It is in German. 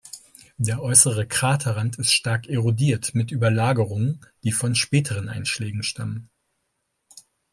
Der äußere Kraterrand ist stark erodiert mit Überlagerungen, die von späteren Einschlägen stammen.